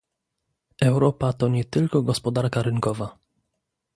Europa to nie tylko gospodarka rynkowa